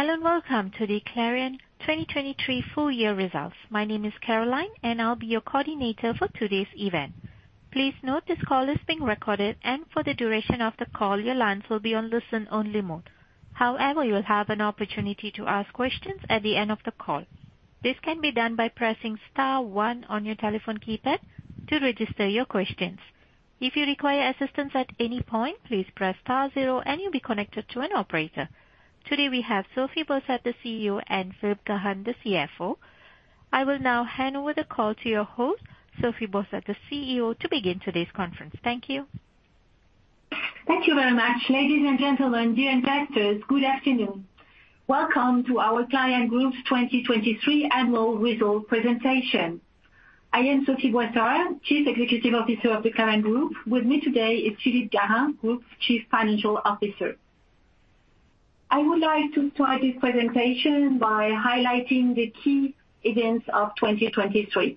Hello and welcome to the Clariane 2023 full year results. My name is Caroline, and I'll be your coordinator for today's event. Please note this call is being recorded, and for the duration of the call, your lines will be on listen-only mode. However, you'll have an opportunity to ask questions at the end of the call. This can be done by pressing star one on your telephone keypad to register your questions. If you require assistance at any point, please press star zero, and you'll be connected to an operator. Today, we have Sophie Boissard, the CEO, and Philippe Garin, the CFO. I will now hand over the call to your host, Sophie Boissard, the CEO, to begin today's conference. Thank you. Thank you very much. Ladies and gentlemen, dear investors, good afternoon. Welcome to our Clariane Group's 2023 Annual Results Presentation. I am Sophie Boissard, Chief Executive Officer of the Clariane Group. With me today is Philippe Garin, Group Chief Financial Officer. I would like to start this presentation by highlighting the key events of 2023.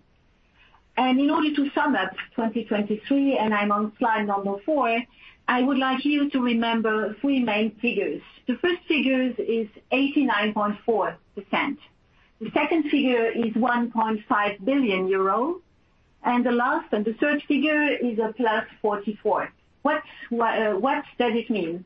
In order to sum up 2023, and I'm on slide number four, I would like you to remember three main figures. The first figure is 89.4%. The second figure is 1.5 billion euros. And the last and the third figure is +44. What does it mean?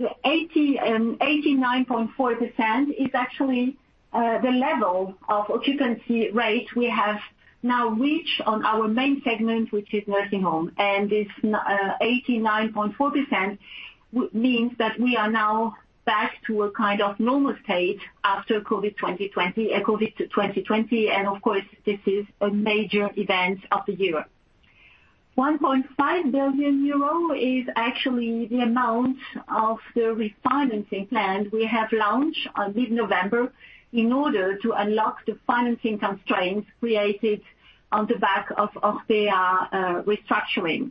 The 89.4% is actually the level of occupancy rate we have now reached on our main segment, which is nursing home. This 89.4% means that we are now back to a kind of normal state after COVID, 2020, and of course, this is a major event of the year. 1.5 billion euro is actually the amount of the refinancing plan we have launched in mid-November in order to unlock the financing constraints created on the back of Orpea restructuring.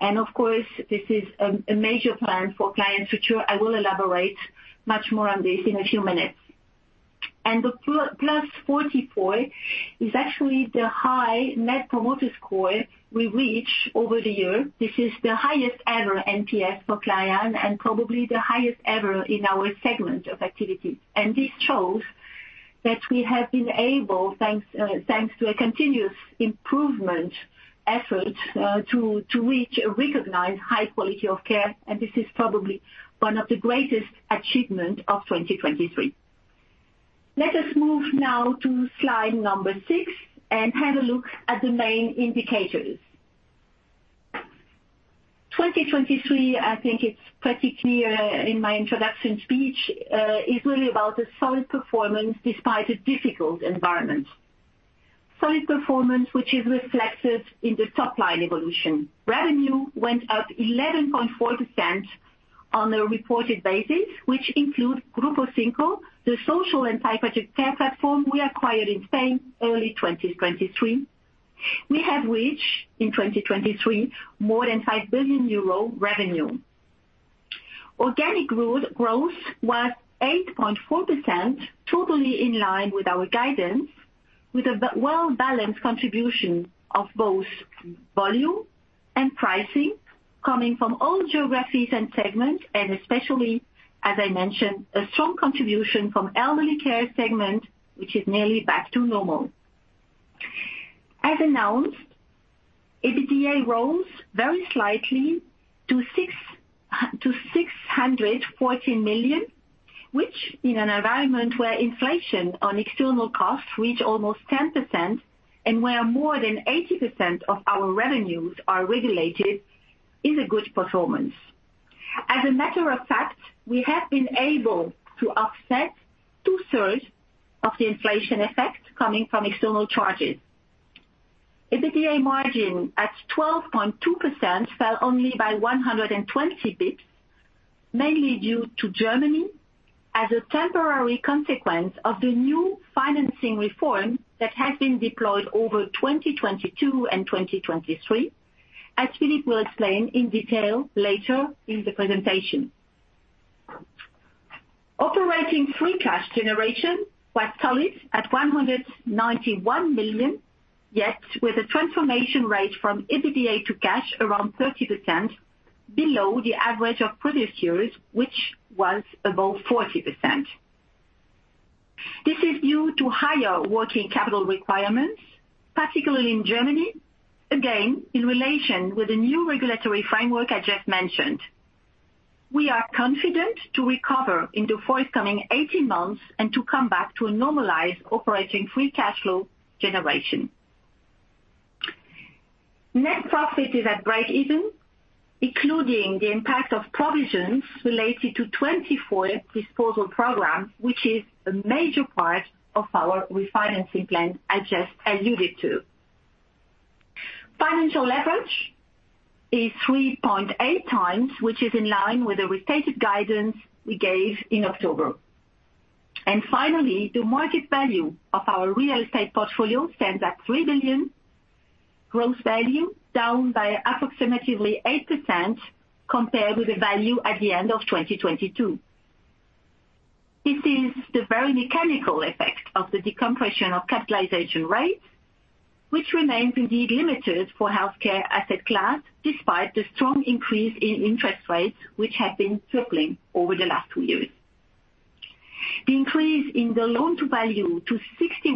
Of course, this is a major plan for Clariane's future. I will elaborate much more on this in a few minutes. The +44 is actually the high Net Promoter Score we reached over the year. This is the highest ever NPS for Clariane and probably the highest ever in our segment of activities. This shows that we have been able, thanks to a continuous improvement effort, to reach recognized high quality of care. This is probably one of the greatest achievements of 2023. Let us move now to slide number 6 and have a look at the main indicators. 2023, I think it's pretty clear in my introduction speech, is really about a solid performance despite a difficult environment. Solid performance, which is reflected in the top-line evolution. Revenue went up 11.4% on a reported basis, which includes Grupo 5, the social and psychiatric care platform we acquired in Spain early 2023. We have reached, in 2023, more than 5 billion euro revenue. Organic growth was 8.4%, totally in line with our guidance, with a well-balanced contribution of both volume and pricing coming from all geographies and segments, and especially, as I mentioned, a strong contribution from elderly care segment, which is nearly back to normal. As announced, EBITDA rose very slightly to 614 million, which, in an environment where inflation on external costs reached almost 10% and where more than 80% of our revenues are regulated, is a good performance. As a matter of fact, we have been able to offset two-thirds of the inflation effect coming from external charges. EBITDA margin at 12.2% fell only by 120 basis points, mainly due to Germany as a temporary consequence of the new financing reform that has been deployed over 2022 and 2023, as Philippe will explain in detail later in the presentation. Operating free cash generation was solid at 191 million, yet with a transformation rate from EBITDA to cash around 30%, below the average of previous years, which was above 40%. This is due to higher working capital requirements, particularly in Germany, again, in relation with the new regulatory framework I just mentioned. We are confident to recover in the forthcoming 18 months and to come back to normalize operating free cash flow generation. Net profit is at break-even, including the impact of provisions related to 24 disposal programs, which is a major part of our refinancing plan, as just alluded to. Financial leverage is 3.8 times, which is in line with the restated guidance we gave in October. Finally, the market value of our real estate portfolio stands at 3 billion, gross value down by approximately 8% compared with the value at the end of 2022. This is the very mechanical effect of the decompression of capitalization rates, which remains indeed limited for healthcare asset class despite the strong increase in interest rates, which have been tripling over the last two years. The increase in the loan-to-value to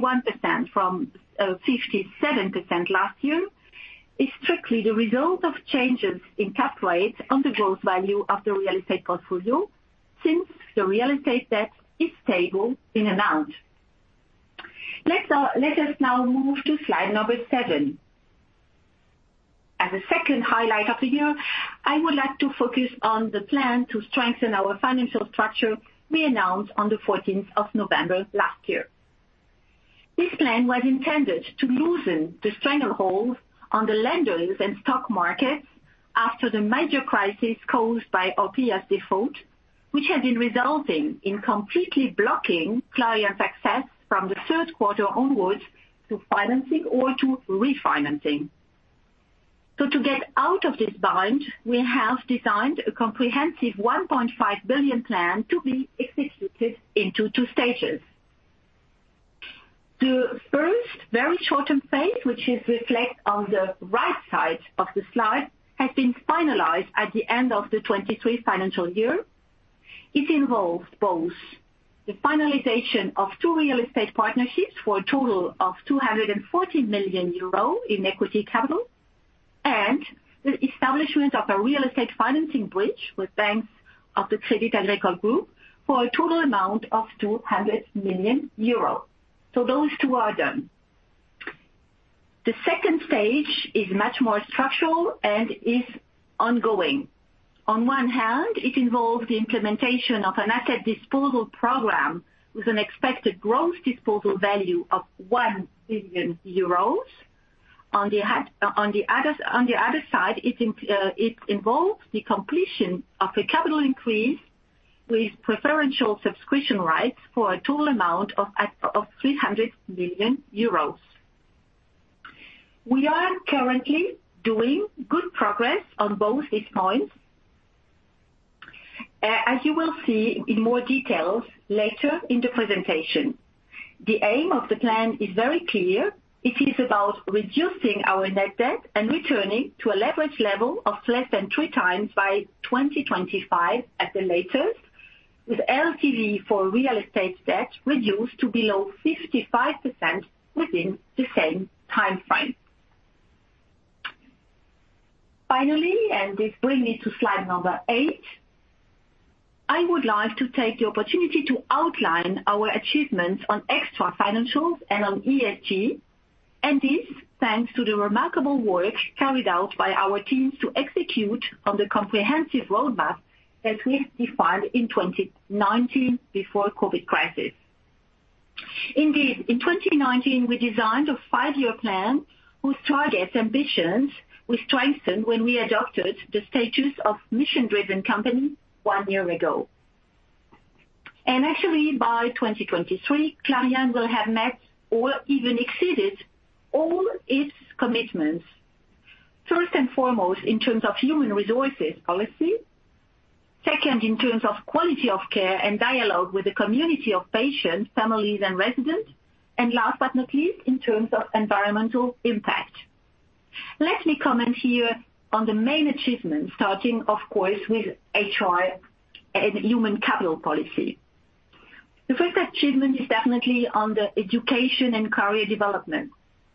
61% from 57% last year is strictly the result of changes in cap rates on the gross value of the real estate portfolio since the real estate debt is stable in amount. Let us now move to slide number 7. As a second highlight of the year, I would like to focus on the plan to strengthen our financial structure we announced on the 14th of November last year. This plan was intended to loosen the stranglehold on the lenders and stock markets after the major crisis caused by Orpea's default, which has been resulting in completely blocking Clariane's access from the third quarter onwards to financing or to refinancing. So to get out of this bind, we have designed a comprehensive 1.5 billion plan to be executed into two stages. The first very shortened phase, which is reflected on the right side of the slide, has been finalized at the end of the 2023 financial year. It involves both the finalization of two real estate partnerships for a total of 214 million euro in equity capital and the establishment of a real estate financing bridge with banks of the Crédit Agricole Group for a total amount of 200 million euros. So those two are done. The second stage is much more structural and is ongoing. On one hand, it involves the implementation of an asset disposal program with an expected gross disposal value of 1 billion euros. On the other side, it involves the completion of a capital increase with preferential subscription rights for a total amount of 300 million euros. We are currently doing good progress on both these points, as you will see in more details later in the presentation. The aim of the plan is very clear. It is about reducing our net debt and returning to a leverage level of less than 3x by 2025 at the latest, with LTV for real estate debt reduced to below 55% within the same time frame. Finally, and this brings me to slide number eight, I would like to take the opportunity to outline our achievements on extra financials and on ESG. And this thanks to the remarkable work carried out by our teams to execute on the comprehensive roadmap that we defined in 2019 before the COVID crisis. Indeed, in 2019, we designed a five-year plan whose targets and visions were strengthened when we adopted the status of mission-driven company one year ago. Actually, by 2023, Clariane will have met or even exceeded all its commitments, first and foremost in terms of human resources policy, second in terms of quality of care and dialogue with the community of patients, families, and residents, and last but not least, in terms of environmental impact. Let me comment here on the main achievements, starting, of course, with HR and human capital policy. The first achievement is definitely on the education and career development.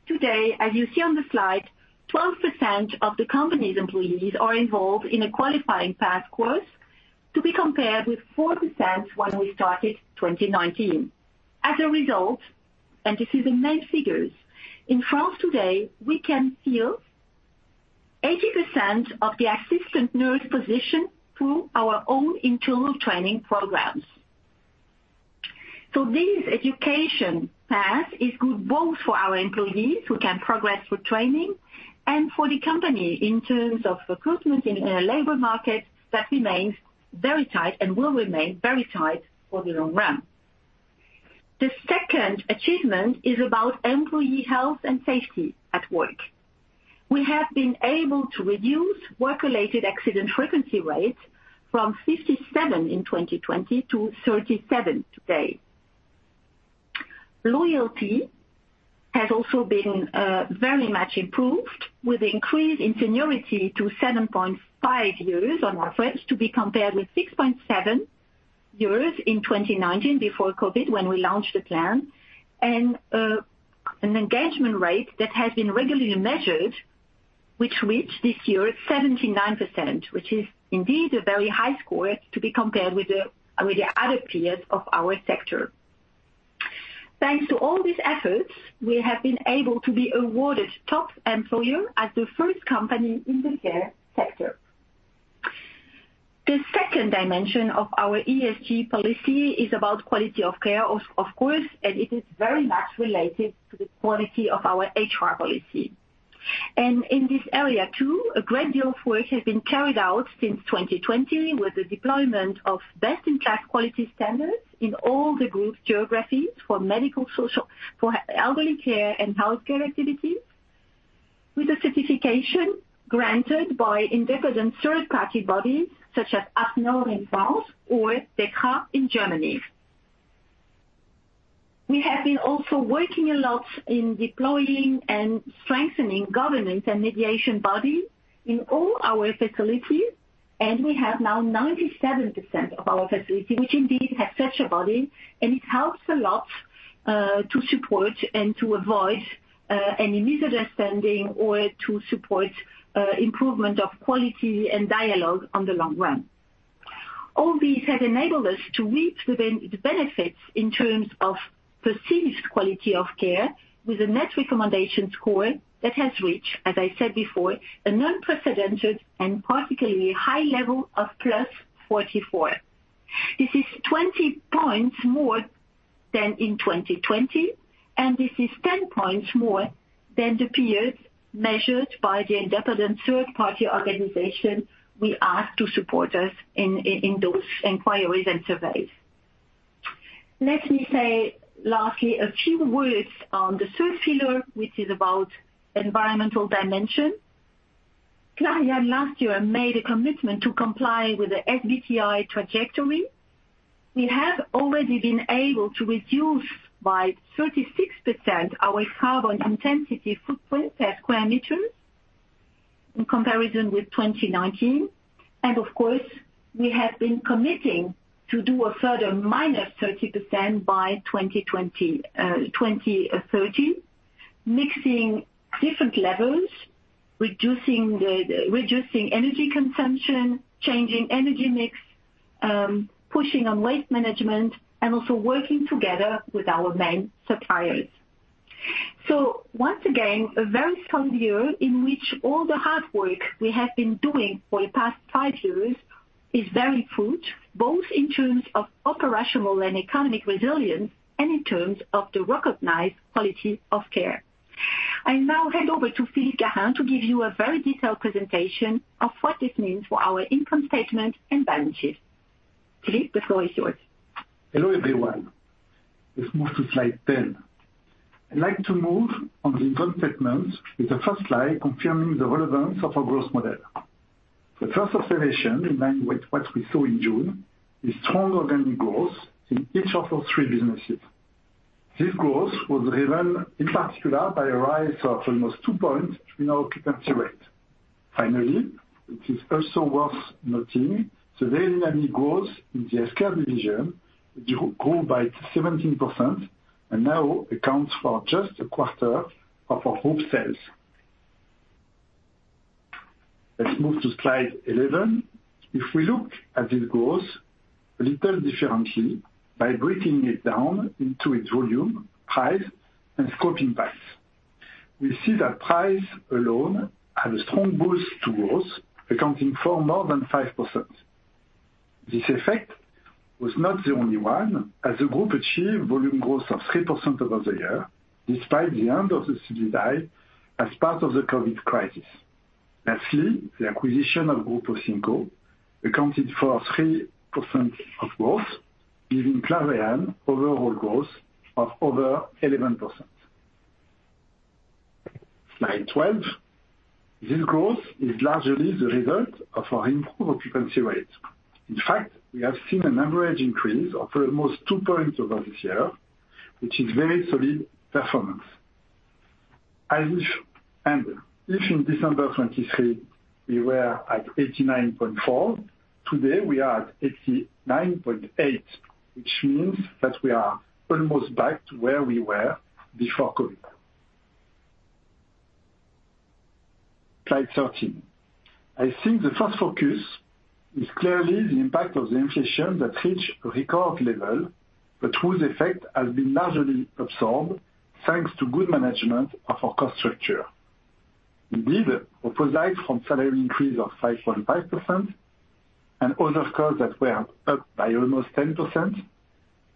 Today, as you see on the slide, 12% of the company's employees are involved in a qualifying path course to be compared with 4% when we started 2019. As a result, and this is the main figures, in France today, we can fill 80% of the assistant nurse positions through our own internal training programs. So this education path is good both for our employees, who can progress through training, and for the company in terms of recruitment in a labor market that remains very tight and will remain very tight for the long run. The second achievement is about employee health and safety at work. We have been able to reduce work-related accident frequency rates from 57 in 2020 to 37 today. Loyalty has also been very much improved with an increase in seniority to 7.5 years on our fronts to be compared with 6.7 years in 2019 before COVID when we launched the plan and an engagement rate that has been regularly measured, which reached this year 79%, which is indeed a very high score to be compared with the other peers of our sector. Thanks to all these efforts, we have been able to be awarded top employer as the first company in the care sector. The second dimension of our ESG policy is about quality of care, of course, and it is very much related to the quality of our HR policy. And in this area too, a great deal of work has been carried out since 2020 with the deployment of best-in-class quality standards in all the group's geographies for elderly care and healthcare activities, with a certification granted by independent third-party bodies such as AFNOR in France or DEKRA in Germany. We have been also working a lot in deploying and strengthening governance and mediation bodies in all our facilities. And we have now 97% of our facility, which indeed has such a body. It helps a lot to support and to avoid any misunderstanding or to support improvement of quality and dialogue on the long run. All these have enabled us to reap the benefits in terms of perceived quality of care with a net recommendation score that has reached, as I said before, an unprecedented and particularly high level of +44. This is 20 points more than in 2020, and this is 10 points more than the period measured by the independent third-party organization we asked to support us in those inquiries and surveys. Let me say lastly a few words on the third pillar, which is about environmental dimension. Clariane, last year, made a commitment to comply with the SBTi trajectory. We have already been able to reduce by 36% our carbon intensity footprint per square meter in comparison with 2019. And of course, we have been committing to do a further -30% by 2030, mixing different levels, reducing energy consumption, changing energy mix, pushing on waste management, and also working together with our main suppliers. So once again, a very solid year in which all the hard work we have been doing for the past five years is very fruitful, both in terms of operational and economic resilience and in terms of the recognized quality of care. I now hand over to Philippe Garin to give you a very detailed presentation of what this means for our income statement and balance sheet. Philippe, the floor is yours. Hello, everyone. Let's move to slide 10. I'd like to move on the income statement with the first slide confirming the relevance of our growth model. The first observation, in line with what we saw in June, is strong organic growth in each of our three businesses. This growth was driven, in particular, by a rise of almost 2 points in our occupancy rate. Finally, it is also worth noting the very dynamic growth in the healthcare division. It grew by 17% and now accounts for just a quarter of our group sales. Let's move to slide 11. If we look at this growth a little differently by breaking it down into its volume, price, and scope impacts, we see that price alone had a strong boost to growth, accounting for more than 5%. This effect was not the only one, as the group achieved volume growth of 3% over the year despite the end of the as part of the COVID crisis. Lastly, the acquisition of Grupo 5, accounting for 3% of growth, giving Clariane overall growth of over 11%. Slide 12. This growth is largely the result of our improved occupancy rates. In fact, we have seen an average increase of almost 2 points over this year, which is very solid performance. If in December 2023, we were at 89.4, today, we are at 89.8, which means that we are almost back to where we were before COVID. Slide 13. I think the first focus is clearly the impact of the inflation that reached a record level, but whose effect has been largely absorbed thanks to good management of our cost structure. Indeed, opposite from salary increase of 5.5% and other costs that were up by almost 10%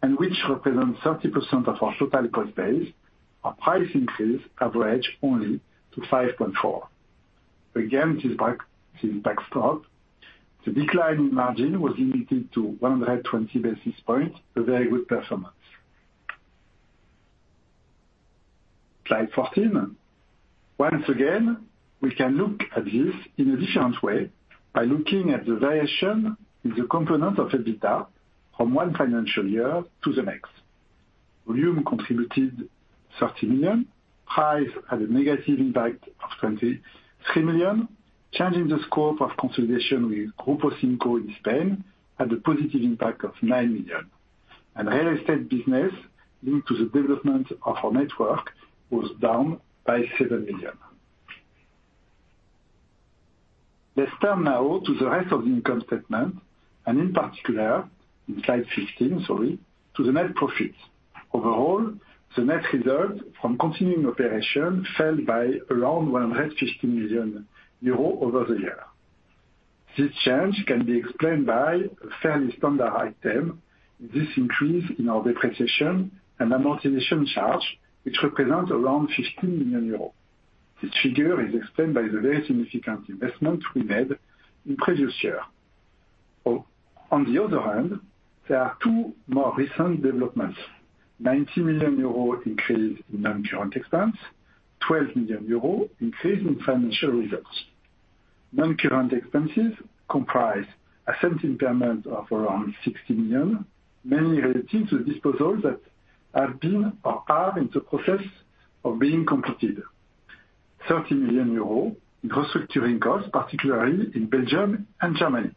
and which represent 30% of our total cost base, our price increase averaged only to 5.4%. Again, since backstop, the decline in margin was limited to 120 basis points, a very good performance. Slide 14. Once again, we can look at this in a different way by looking at the variation in the component of EBITDA from one financial year to the next. Volume contributed 30 million. Price had a negative impact of 23 million, changing the scope of consolidation with Grupo 5 in Spain had a positive impact of 9 million. And real estate business linked to the development of our network was down by 7 million. Let's turn now to the rest of the income statement and, in particular, in slide 15, sorry, to the net profit. Overall, the net result from continuing operation fell by around 115 million euros over the year. This change can be explained by a fairly standard item, this increase in our depreciation and amortization charge, which represents around 15 million euros. This figure is explained by the very significant investment we made in previous year. On the other hand, there are two more recent developments: 90 million euros increase in non-current expense, 12 million euros increase in financial results. Non-current expenses comprise an asset impairment of around 60 million, many relating to disposals that have been or are in the process of being completed: 30 million euros in restructuring costs, particularly in Belgium and Germany.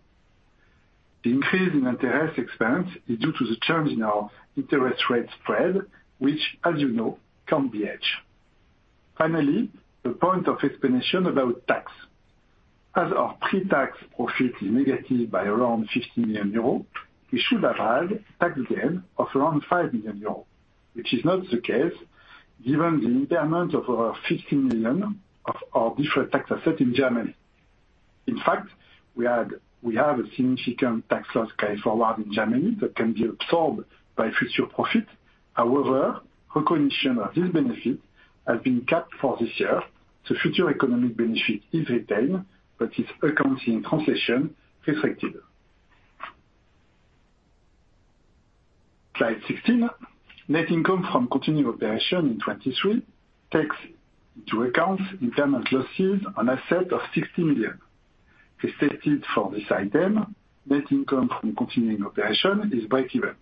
The increase in interest expense is due to the change in our interest rate spread, which, as you know, can be hedged. Finally, the point of explanation about tax. As our pre-tax profit is negative by around 15 million euros, we should have had tax gain of around 5 million euros, which is not the case given the impairment of over 15 million of our different tax assets in Germany. In fact, we have a significant tax loss carried forward in Germany that can be absorbed by future profit. However, recognition of this benefit has been kept for this year. The future economic benefit is retained, but its accounting translation is restricted. Slide 16. Net income from continuing operation in 2023 takes into account impairment losses on assets of 60 million. As stated for this item, net income from continuing operation is breakeven.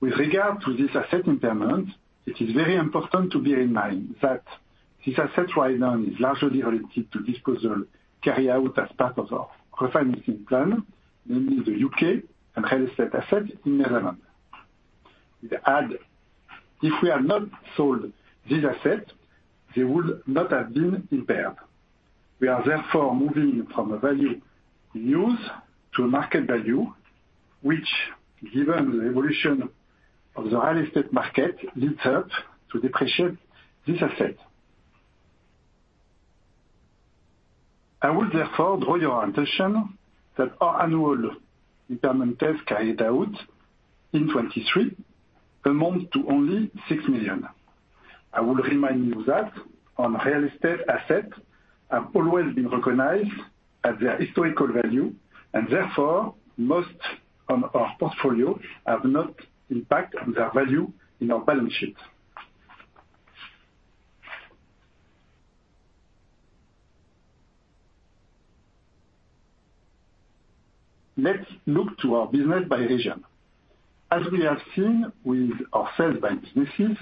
With regard to this asset impairment, it is very important to bear in mind that this asset write-down is largely related to disposal carried out as part of our refinancing plan, namely the UK and real estate assets in Netherlands. If we had not sold these assets, they would not have been impaired. We are therefore moving from a value we use to a market value, which, given the evolution of the real estate market, leads up to depreciate this asset. I would therefore draw your attention that our annual impairment test carried out in 2023 amounted to only 6 million. I will remind you that on real estate assets, they have always been recognized at their historical value and therefore most on our portfolio have not impacted their value in our balance sheet. Let's look to our business by region. As we have seen with our sales by businesses,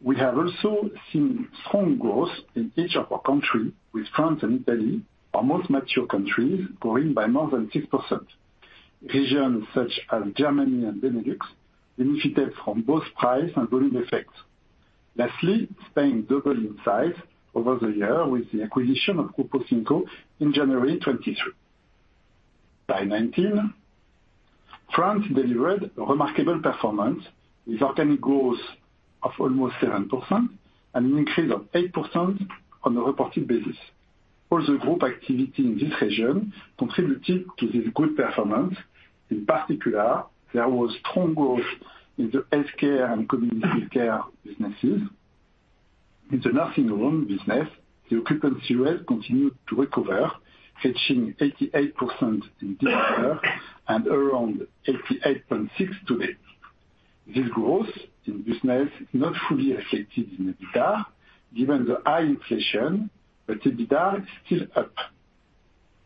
we have also seen strong growth in each of our countries with France and Italy, our most mature countries, growing by more than 6%. Regions such as Germany and Benelux benefited from both price and volume effects. Lastly, Spain doubled in size over the year with the acquisition of Grupo 5 in January 2023. Slide 19. France delivered a remarkable performance with organic growth of almost 7% and an increase of 8% on a reported basis. All the group activity in this region contributed to this good performance. In particular, there was strong growth in the healthcare and community care businesses. In the nursing home business, the occupancy rate continued to recover, reaching 88% in this year and around 88.6% today. This growth in business is not fully reflected in EBITDA given the high inflation, but EBITDA is still up.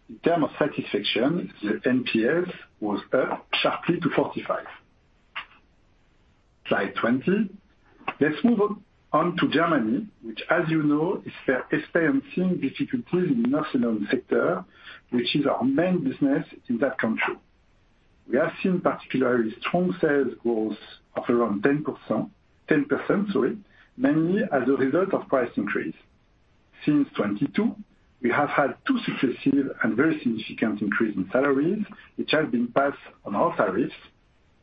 In terms of satisfaction, the NPS was up sharply to 45. Slide 20. Let's move on to Germany, which, as you know, is experiencing difficulties in the nursing home sector, which is our main business in that country. We have seen particularly strong sales growth of around 10%, sorry, mainly as a result of price increase. Since 2022, we have had two successive and very significant increases in salaries, which have been passed on all tariffs.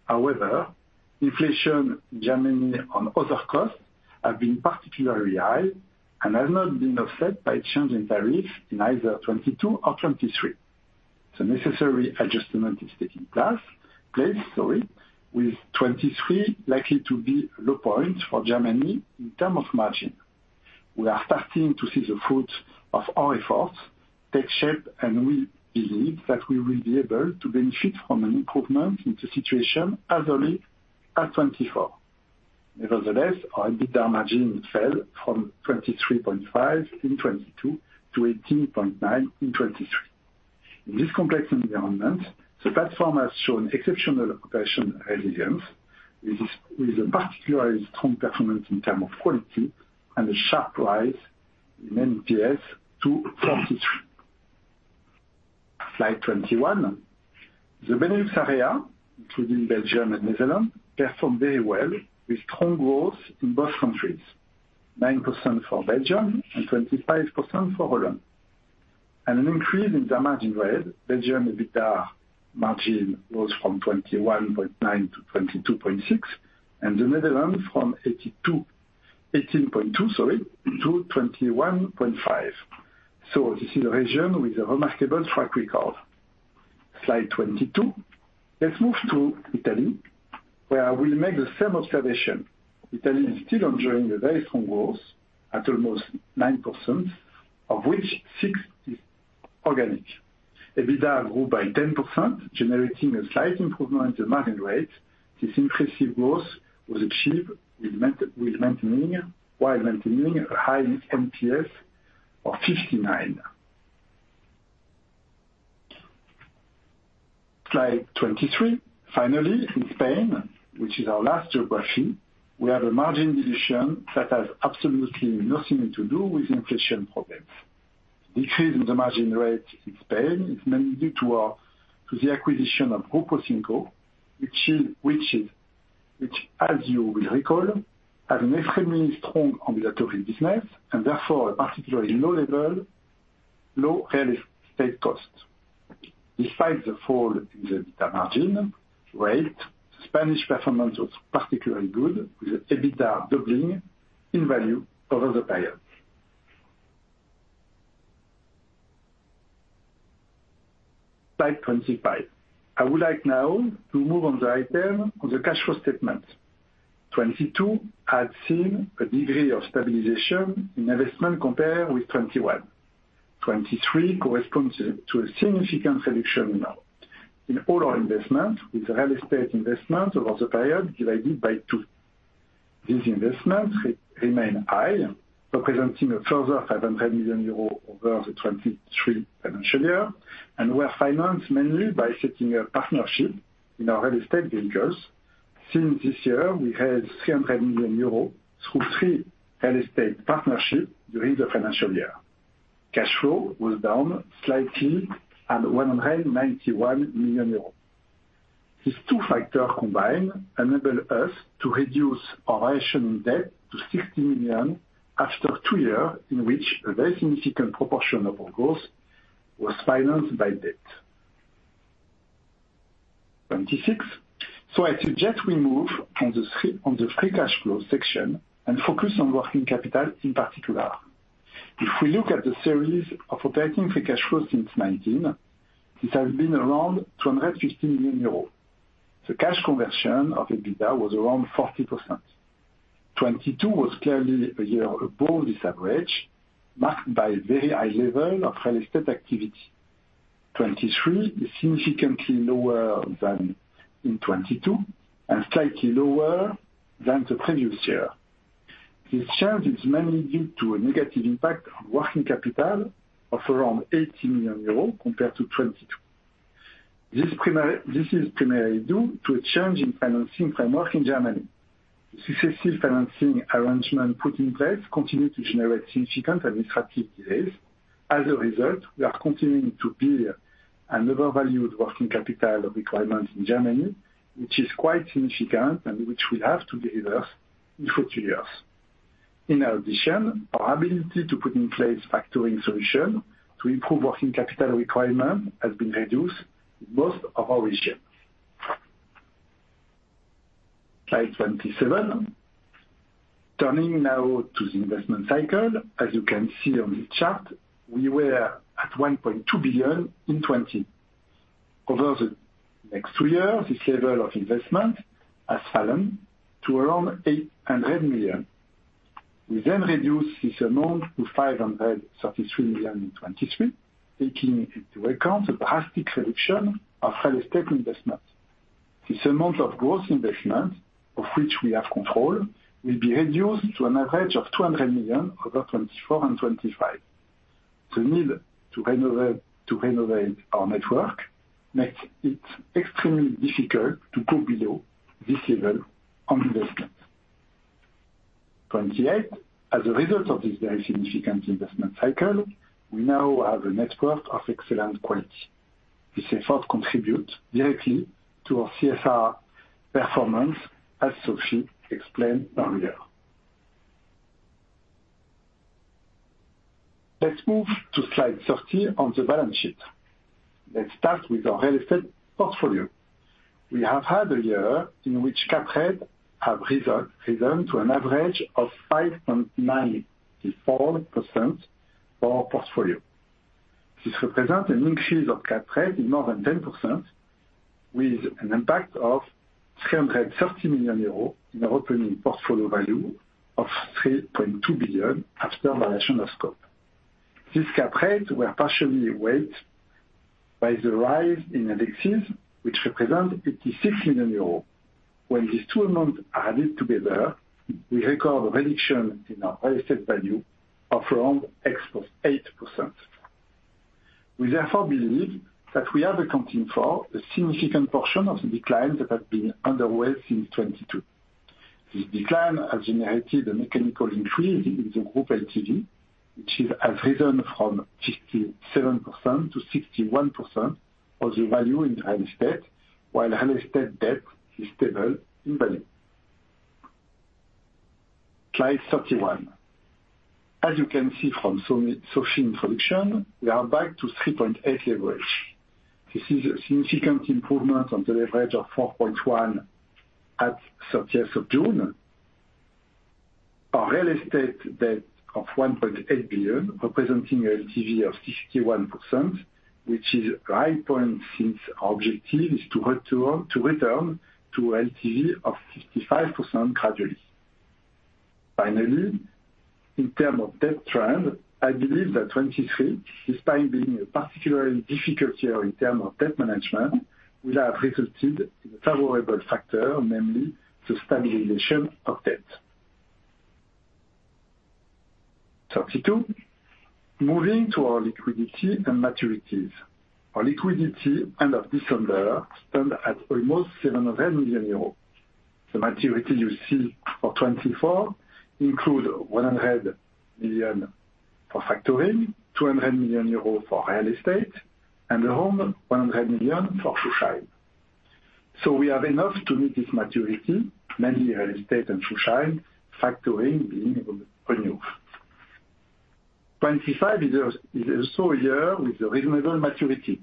However, inflation in Germany on other costs has been particularly high and has not been offset by change in tariffs in either 2022 or 2023. The necessary adjustment is taking place, sorry, with 2023 likely to be a low point for Germany in terms of margin. We are starting to see the fruits of our efforts take shape, and we believe that we will be able to benefit from an improvement in the situation as early as 2024. Nevertheless, our EBITDA margin fell from 23.5% in 2022 to 18.9% in 2023. In this complex environment, the platform has shown exceptional operational resilience with a particularly strong performance in terms of quality and a sharp rise in NPS to 43. Slide 21. The Benelux area, including Belgium and Netherlands, performed very well with strong growth in both countries, 9% for Belgium and 25% for Holland. An increase in their margin rate, Belgium EBITDA margin rose from 21.9% to 22.6% and the Netherlands from 18.2%, sorry, to 21.5%. This is a region with a remarkable track record. Slide 22. Let's move to Italy, where I will make the same observation. Italy is still enjoying a very strong growth at almost 9%, of which 6% is organic. EBITDA grew by 10%, generating a slight improvement in the margin rate. This impressive growth was achieved while maintaining a high NPS of 59. Slide 23. Finally, in Spain, which is our last geography, we have a margin dilution that has absolutely nothing to do with inflation problems. The decrease in the margin rate in Spain is mainly due to the acquisition of Grupo 5, which, as you will recall, has an extremely strong ambulatory business and therefore a particularly low level, low real estate cost. Despite the fall in the EBITDA margin rate, the Spanish performance was particularly good with the EBITDA doubling in value over the period. Slide 25. I would like now to move on the item of the cash flow statement. 2022 had seen a degree of stabilization in investment compared with 2021. 2023 corresponds to a significant reduction in all our investments with real estate investment over the period divided by two. These investments remain high, representing a further 500 million euros over the 2023 financial year and were financed mainly by setting up partnerships in our real estate vehicles. Since this year, we had 300 million euros through three real estate partnerships during the financial year. Cash flow was down slightly at 191 million euros. These two factors combined enabled us to reduce our variation in debt to 60 million after two years in which a very significant proportion of our growth was financed by debt. Slide 26. So I suggest we move on the free cash flow section and focus on working capital in particular. If we look at the series of operating free cash flow since 2019, it has been around 215 million euros. The cash conversion of EBITDA was around 40%. 2022 was clearly a year above this average, marked by a very high level of real estate activity. 2023 is significantly lower than in 2022 and slightly lower than the previous year. This change is mainly due to a negative impact on working capital of around 80 million euros compared to 2022. This is primarily due to a change in financing framework in Germany. The successive financing arrangement put in place continued to generate significant administrative delays. As a result, we are continuing to build an overvalued working capital requirement in Germany, which is quite significant and which will have to be reversed in four to two years. In addition, our ability to put in place factoring solutions to improve working capital requirement has been reduced in most of our regions. Slide 27. Turning now to the investment cycle, as you can see on this chart, we were at 1.2 billion in 2020. Over the next two years, this level of investment has fallen to around 800 million. We then reduced this amount to 533 million in 2023, taking into account the drastic reduction of real estate investments. This amount of gross investment, of which we have control, will be reduced to an average of 200 million over 2024 and 2025. The need to renovate our network makes it extremely difficult to go below this level on investments. Slide 28. As a result of this very significant investment cycle, we now have a network of excellent quality. This effort contributes directly to our CSR performance, as Sophie explained earlier. Let's move to slide 30 on the balance sheet. Let's start with our real estate portfolio. We have had a year in which cap rates have risen to an average of 5.94% for our portfolio. This represents an increase of cap rates in more than 10%, with an impact of 330 million euros in our opening portfolio value of 3.2 billion after variation of scope. These cap rates were partially weighed by the rise in indexes, which represents 86 million euros. When these two amounts are added together, we record a reduction in our real estate value of around 8%. We therefore believe that we are accounting for a significant portion of the decline that has been underway since 2022. This decline has generated a mechanical increase in the group LTV, which has risen from 57% to 61% of the value in real estate, while real estate debt is stable in value. Slide 31. As you can see from Sophie's introduction, we are back to 3.8 leverage. This is a significant improvement on the leverage of 4.1% at 30th of June. Our real estate debt of 1.8 billion, representing a LTV of 61%, which is a high point since our objective is to return to a LTV of 55% gradually. Finally, in terms of debt trend, I believe that 2023, despite being a particularly difficult year in terms of debt management, will have resulted in a favorable factor, namely the stabilization of debt. Slide 32. Moving to our liquidity and maturities. Our liquidity end of December stands at almost 700 million euros. The maturity you see for 2024 includes 100 million for factoring, 200 million euros for real estate, and around 100 million for Schuldschein. So we have enough to meet this maturity, mainly real estate and Schuldschein, factoring being renewed. Slide 25 is also a year with a reasonable maturity.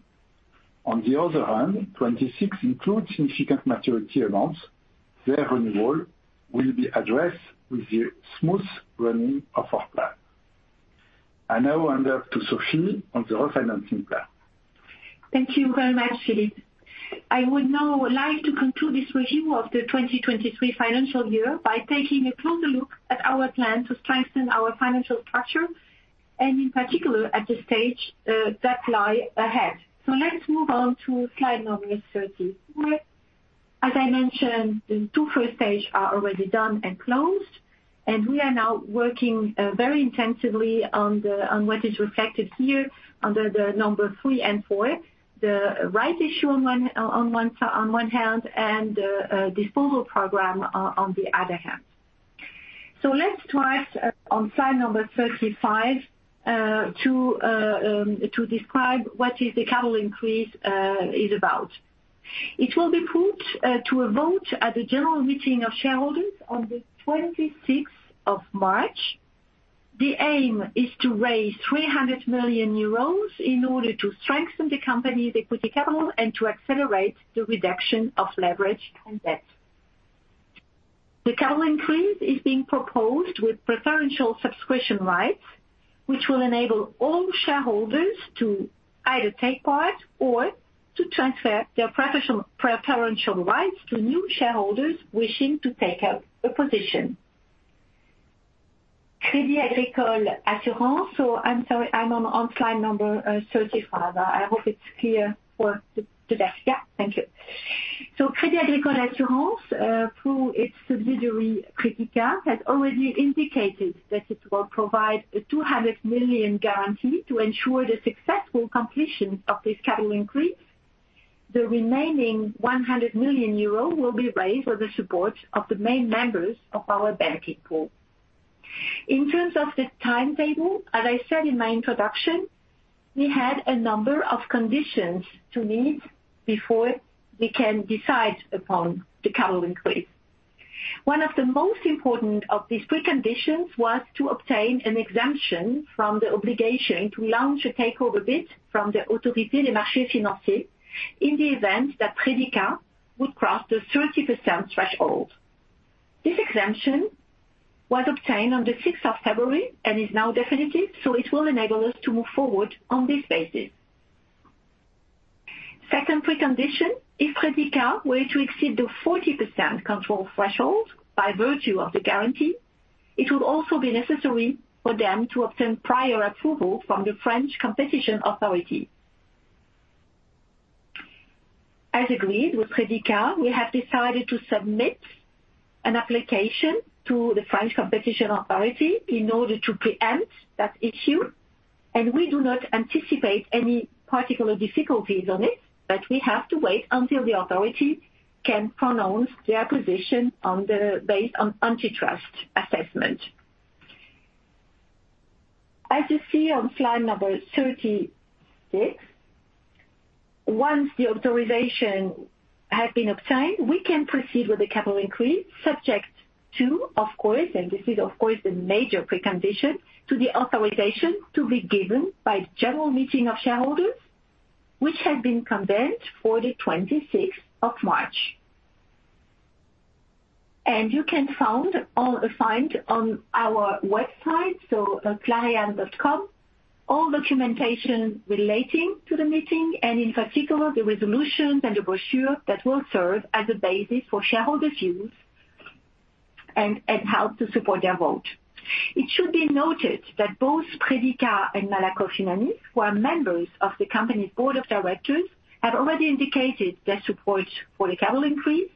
On the other hand, slide 26 includes significant maturity amounts. Their renewal will be addressed with the smooth running of our plan. I now hand over to Sophie on the refinancing plan. Thank you very much, Philippe. I would now like to conclude this review of the 2023 financial year by taking a closer look at our plan to strengthen our financial structure and, in particular, at the stage that lies ahead. So let's move on to slide 30. As I mentioned, the two first stages are already done and closed, and we are now working very intensively on what is reflected here under the number 3 and 4, the rights issue on one hand and the disposal program on the other hand. So let's start on slide 35 to describe what the capital increase is about. It will be put to a vote at the general meeting of shareholders on the 26th of March. The aim is to raise 300 million euros in order to strengthen the company's equity capital and to accelerate the reduction of leverage and debt. The capital increase is being proposed with preferential subscription rights, which will enable all shareholders to either take part or to transfer their preferential rights to new shareholders wishing to take up a position. Crédit Agricole Assurances, so I'm sorry, I'm on slide number 35. I hope it's clear for today. Yeah, thank you. So Crédit Agricole Assurances, through its subsidiary Predica, has already indicated that it will provide a 200 million guarantee to ensure the successful completion of this capital increase. The remaining 100 million euro will be raised with the support of the main members of our banking pool. In terms of the timetable, as I said in my introduction, we had a number of conditions to meet before we can decide upon the capital increase. One of the most important of these preconditions was to obtain an exemption from the obligation to launch a takeover bid from the Autorité des Marchés Financiers in the event that Crédit Agricole would cross the 30% threshold. This exemption was obtained on the 6th of February and is now definitive, so it will enable us to move forward on this basis. Second precondition, if Crédit Agricole were to exceed the 40% control threshold by virtue of the guarantee, it would also be necessary for them to obtain prior approval from the French Competition Authority. As agreed with Crédit Agricole, we have decided to submit an application to the French Competition Authority in order to preempt that issue, and we do not anticipate any particular difficulties on it, but we have to wait until the authority can pronounce their position based on antitrust assessment. As you see on slide number 36, once the authorization has been obtained, we can proceed with the capital increase subject to, of course, and this is, of course, the major precondition, to the authorization to be given by the general meeting of shareholders, which has been convened for the 26th of March. You can find on our website, so clariane.com, all documentation relating to the meeting and, in particular, the resolutions and the brochure that will serve as a basis for shareholders' views and help to support their vote. It should be noted that both Crédit Agricole and Malakoff Humanis, who are members of the company's board of directors, have already indicated their support for the capital increase.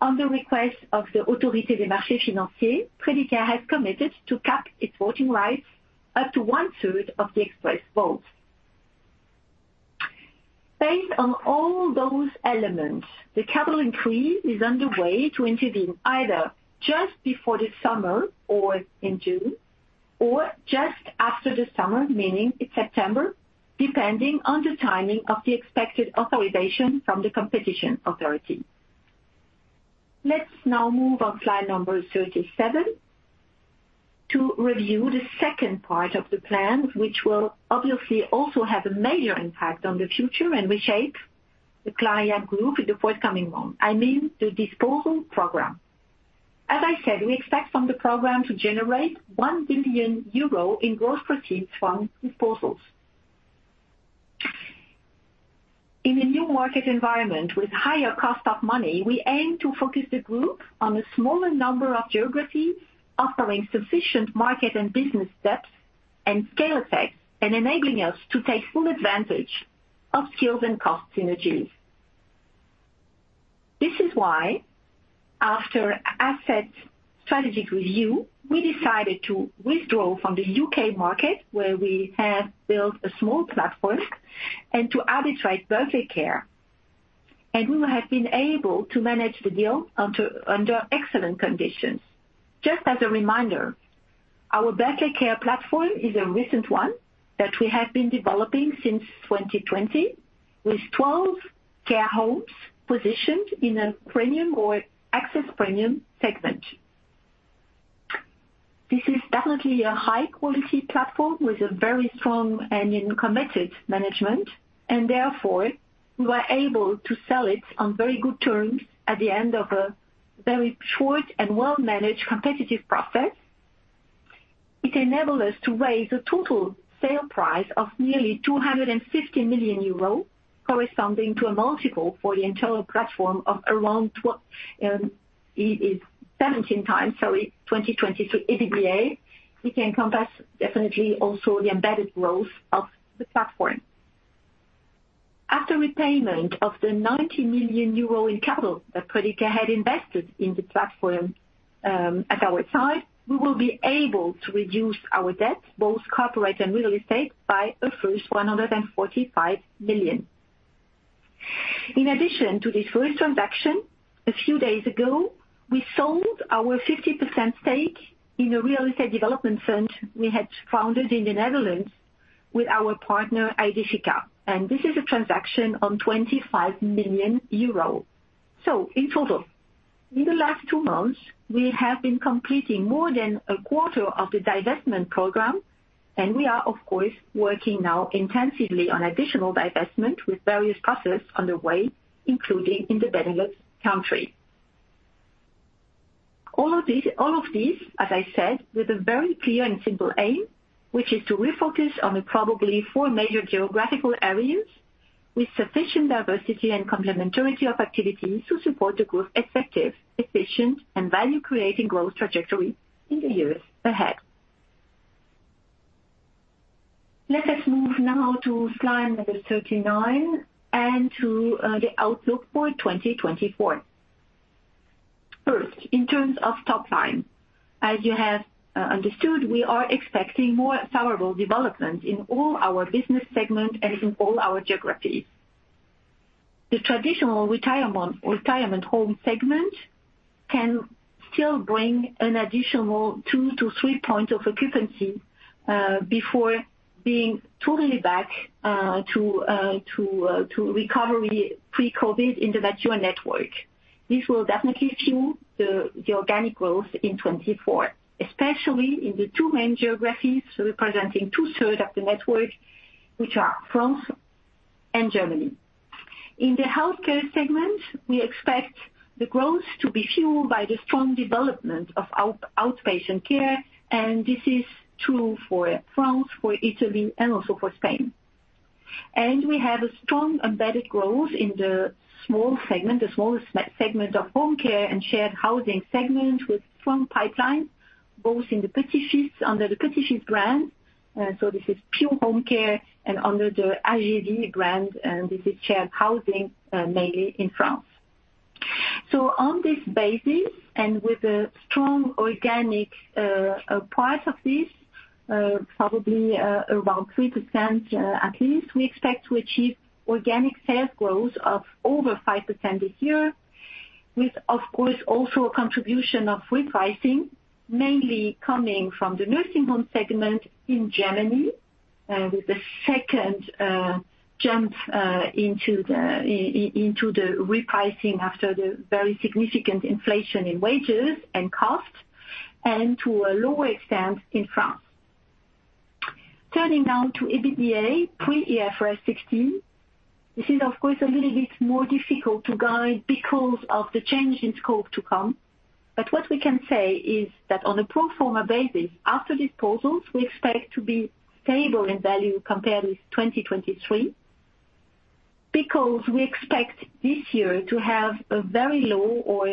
On the request of the Autorité des Marchés Financiers, Crédit Agricole has committed to cap its voting rights up to one-third of the express votes. Based on all those elements, the capital increase is underway to intervene either just before the summer or in June or just after the summer, meaning it's September, depending on the timing of the expected authorization from the competition authority. Let's now move on slide number 37 to review the second part of the plan, which will obviously also have a major impact on the future and reshape the Clariane Group in the forthcoming months. I mean the disposal program. As I said, we expect from the program to generate 1 billion euro in gross proceeds from disposals. In a new market environment with higher cost of money, we aim to focus the group on a smaller number of geographies offering sufficient market and business depth and scale effects and enabling us to take full advantage of skills and cost synergies. This is why, after asset strategic review, we decided to withdraw from the UK market, where we have built a small platform, and to arbitrate Berkley Care. We have been able to manage the deal under excellent conditions. Just as a reminder, our Berkley Care platform is a recent one that we have been developing since 2020 with 12 care homes positioned in a premium or access premium segment. This is definitely a high-quality platform with a very strong and committed management, and therefore, we were able to sell it on very good terms at the end of a very short and well-managed competitive process. It enabled us to raise a total sale price of nearly 250 million euros, corresponding to a multiple for the entire platform of around it is 17x, sorry. 2023 EBITDA. It encompasses definitely also the embedded growth of the platform. After repayment of the 90 million euro in capital that Crédit Agricole had invested in the platform at our Side, we will be able to reduce our debt, both corporate and real estate, by a first 145 million. In addition to this first transaction, a few days ago, we sold our 50% stake in a real estate development fund we had founded in the Netherlands with our partner Aedifica. And this is a transaction on 25 million euros. So, in total, in the last two months, we have been completing more than a quarter of the divestment program, and we are, of course, working now intensively on additional divestment with various processes underway, including in the Benelux country. All of these, as I said, with a very clear and simple aim, which is to refocus on probably 4 major geographical areas with sufficient diversity and complementarity of activities to support the group's effective, efficient, and value-creating growth trajectory in the years ahead. Let us move now to slide number 39 and to the outlook for 2024. First, in terms of top line, as you have understood, we are expecting more favorable developments in all our business segments and in all our geographies. The traditional retirement home segment can still bring an additional 2-3 points of occupancy before being totally back to recovery pre-COVID in the mature network. This will definitely fuel the organic growth in 2024, especially in the two main geographies representing two-thirds of the network, which are France and Germany. In the healthcare segment, we expect the growth to be fueled by the strong development of outpatient care, and this is true for France, for Italy, and also for Spain. We have a strong embedded growth in the small segment, the smallest segment of home care and shared housing segment with strong pipelines both under the Petits-fils brand, so this is pure home care, and under the Âges&Vie brand, and this is shared housing mainly in France. On this basis and with a strong organic part of this, probably around 3% at least, we expect to achieve organic sales growth of over 5% this year with, of course, also a contribution of repricing, mainly coming from the nursing home segment in Germany with a second jump into the repricing after the very significant inflation in wages and costs and to a lower extent in France. Turning now to EBITDA pre-IFRS 16, this is, of course, a little bit more difficult to guide because of the change in scope to come, but what we can say is that on a pro forma basis, after disposals, we expect to be stable in value compared with 2023 because we expect this year to have a very low or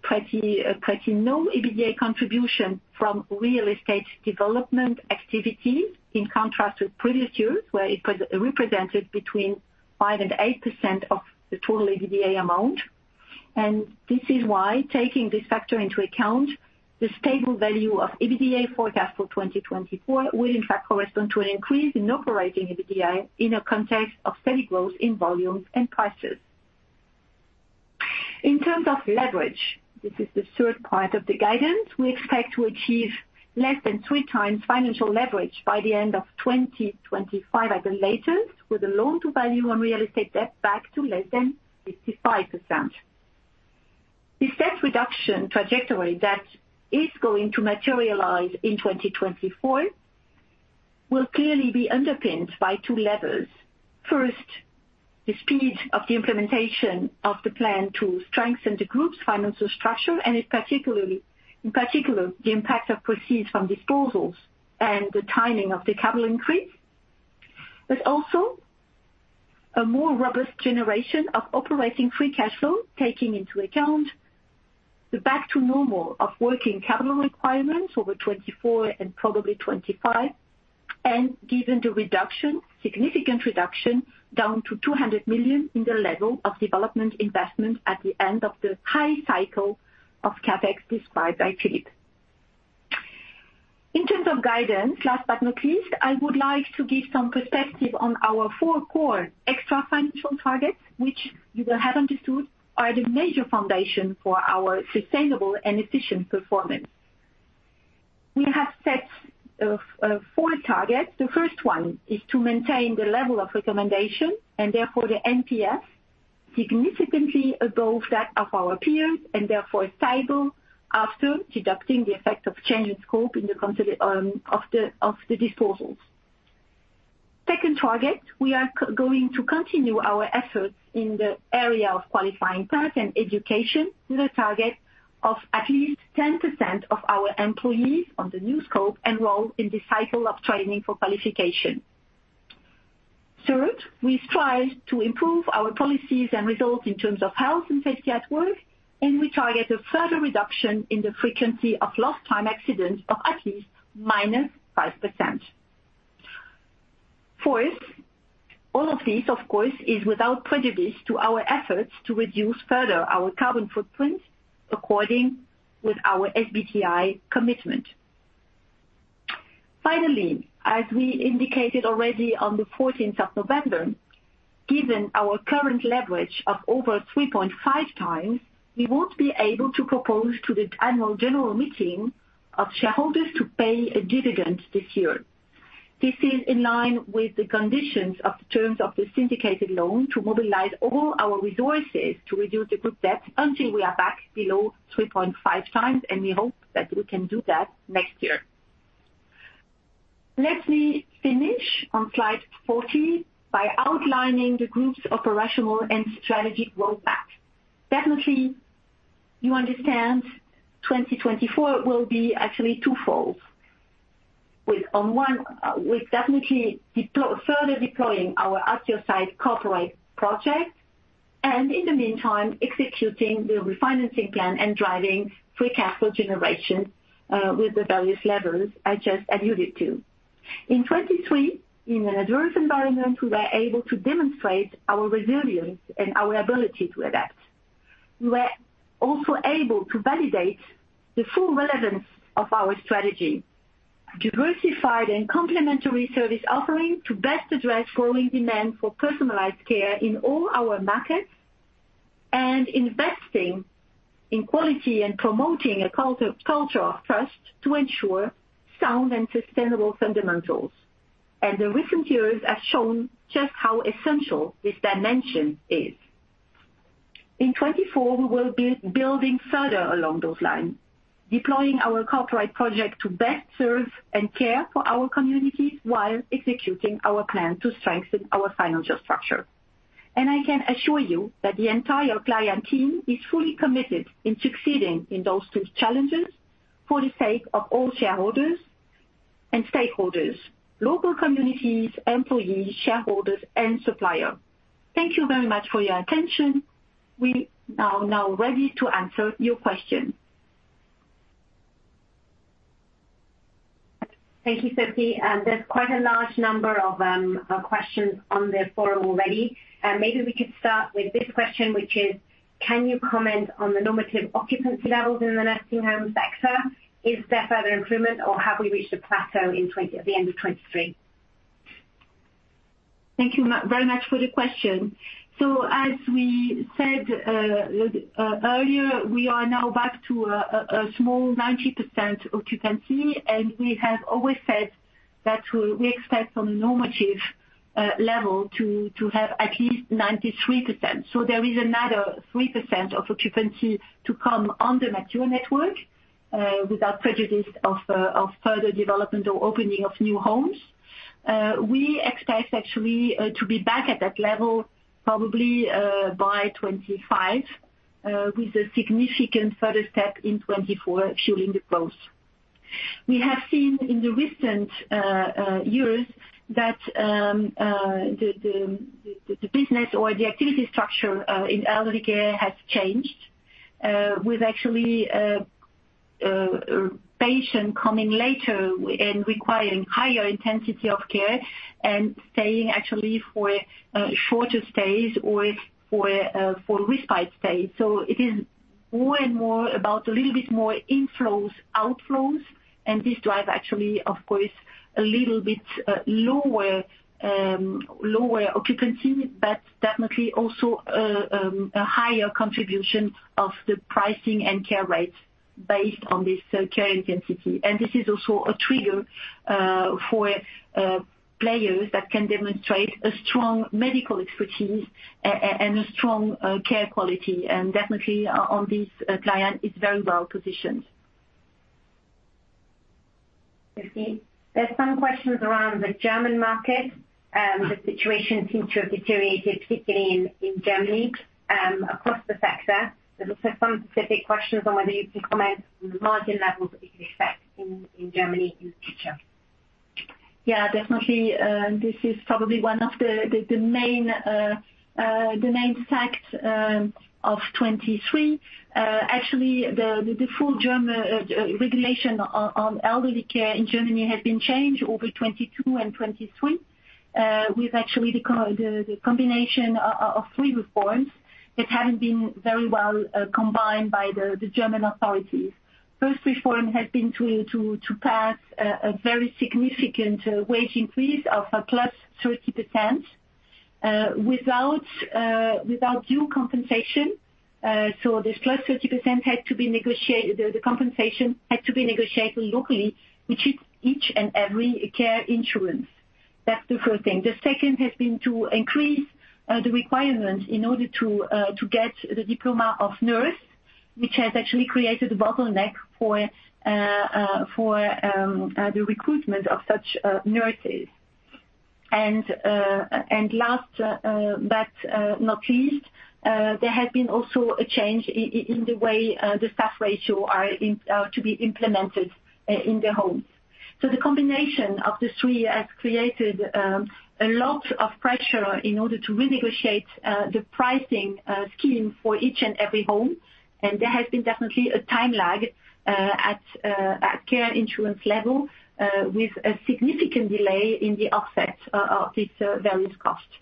pretty low EBITDA contribution from real estate development activity in contrast with previous years, where it represented between 5% and 8% of the total EBITDA amount. And this is why, taking this factor into account, the stable value of EBITDA forecast for 2024 will, in fact, correspond to an increase in operating EBITDA in a context of steady growth in volumes and prices. In terms of leverage, this is the third part of the guidance, we expect to achieve less than 3x financial leverage by the end of 2025 at the latest with a loan-to-value on real estate debt back to less than 55%. This debt reduction trajectory that is going to materialize in 2024 will clearly be underpinned by two levers. First, the speed of the implementation of the plan to strengthen the group's financial structure and, in particular, the impact of proceeds from disposals and the timing of the capital increase, but also a more robust generation of operating free cash flow taking into account the back-to-normal of working capital requirements over 2024 and probably 2025 and given the significant reduction down to 200 million in the level of development investment at the end of the high cycle of CapEx described by Philippe. In terms of guidance, last but not least, I would like to give some perspective on our four core extra-financial targets, which you will have understood are the major foundation for our sustainable and efficient performance. We have set four targets. The first one is to maintain the level of recommendation and, therefore, the NPS significantly above that of our peers and, therefore, stable after deducting the effect of change in scope in the disposals. Second target, we are going to continue our efforts in the area of qualifying path and education with a target of at least 10% of our employees on the new scope enroll in this cycle of training for qualification. Third, we strive to improve our policies and results in terms of health and safety at work, and we target a further reduction in the frequency of lost-time accidents of at least -5%. Fourth, all of this, of course, is without prejudice to our efforts to reduce further our carbon footprint according with our SBTi commitment. Finally, as we indicated already on the 14th of November, given our current leverage of over 3.5 times, we won't be able to propose to the annual general meeting of shareholders to pay a dividend this year. This is in line with the conditions of the terms of the syndicated loan to mobilize all our resources to reduce the group debt until we are back below 3.5 times, and we hope that we can do that next year. Let me finish on slide 40 by outlining the group's operational and strategic roadmap. Definitely, you understand 2024 will be actually twofold, with definitely further deploying our At Your Side corporate project and, in the meantime, executing the refinancing plan and driving free cash flow generation with the various levels I just alluded to. In 2023, in an adverse environment, we were able to demonstrate our resilience and our ability to adapt. We were also able to validate the full relevance of our strategy, diversified and complementary service offering to best address growing demand for personalized care in all our markets, and investing in quality and promoting a culture of trust to ensure sound and sustainable fundamentals. The recent years have shown just how essential this dimension is. In 2024, we will be building further along those lines, deploying our corporate project to best serve and care for our communities while executing our plan to strengthen our financial structure. I can assure you that the entire Clariane team is fully committed in succeeding in those two challenges for the sake of all shareholders and stakeholders, local communities, employees, shareholders, and suppliers. Thank you very much for your attention. We are now ready to answer your questions. Thank you, Sophie. There's quite a large number of questions on the forum already. Maybe we could start with this question, which is, can you comment on the normative occupancy levels in the nursing home sector? Is there further improvement, or have we reached a plateau at the end of 2023? Thank you very much for the question. So, as we said earlier, we are now back to a small 90% occupancy, and we have always said that we expect on a normative level to have at least 93%. So, there is another 3% of occupancy to come on the mature network without prejudice of further development or opening of new homes. We expect, actually, to be back at that level probably by 2025 with a significant further step in 2024 fueling the growth. We have seen in the recent years that the business or the activity structure in elderly care has changed with, actually, patients coming later and requiring higher intensity of care and staying, actually, for shorter stays or for respite stays. So, it is more and more about a little bit more inflows, outflows, and this drives, actually, of course, a little bit lower occupancy but definitely also a higher contribution of the pricing and care rates based on this care intensity. This is also a trigger for players that can demonstrate a strong medical expertise and a strong care quality and, definitely, on this Clariane, is very well positioned. Sophie, there's some questions around the German market. The situation seems to have deteriorated, particularly in Germany across the sector. There's also some specific questions on whether you can comment on the margin levels that you can expect in Germany in the future. Yeah, definitely. This is probably one of the main facts of 2023. Actually, the full German regulation on elderly care in Germany has been changed over 2022 and 2023 with, actually, the combination of three reforms that haven't been very well combined by the German authorities. First reform has been to pass a very significant wage increase of +30% without due compensation. So, this plus 30% had to be negotiated the compensation had to be negotiated locally, which is each and every care insurance. That's the first thing. The second has been to increase the requirements in order to get the diploma of nurse, which has actually created a bottleneck for the recruitment of such nurses. And last but not least, there has been also a change in the way the staff ratio are to be implemented in the homes. So, the combination of the three has created a lot of pressure in order to renegotiate the pricing scheme for each and every home, and there has been definitely a time lag at care insurance level with a significant delay in the offset of these various costs.